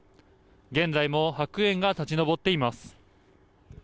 現在も白煙が立ち上っています。